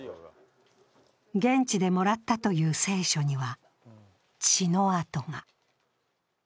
現地でもらったという聖書には、血の跡が。